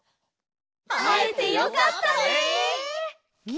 あえてよかったね！